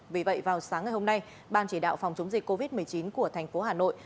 vì vậy vào sáng ngày hôm nay ban chỉ đạo phòng chống dịch covid một mươi chín của thành phố hà nội